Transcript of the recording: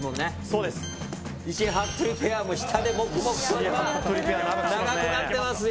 そうです石井・服部ペアも下で黙々と今長くなってますよ